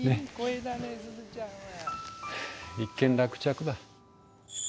はあ一件落着だ。